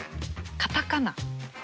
カタカナ？